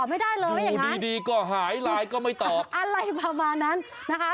อ้าวดีดีก็หายไลน์ก็ไม่ตอบอะไรประมาณนั้นนะคะ